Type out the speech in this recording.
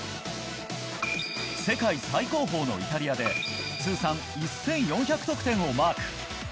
世界最高峰のイタリアで通算１４００得点をマーク。